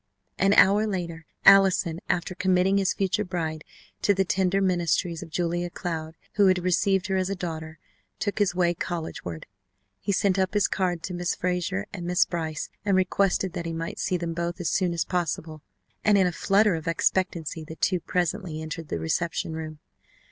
An hour later Allison, after committing his future bride to the tender ministries of Julia Cloud, who had received her as a daughter, took his way collegeward. He sent up his card to Miss Frazer and Miss Brice and requested that he might see them both as soon as possible, and in a flutter of expectancy the two presently entered the reception room.